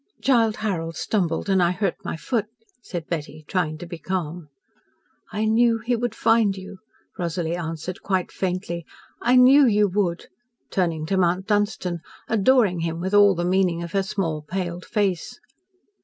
"Childe Harold stumbled and I hurt my foot," said Betty, trying to be calm. "I knew he would find you!" Rosalie answered quite faintly. "I knew you would!" turning to Mount Dunstan, adoring him with all the meaning of her small paled face.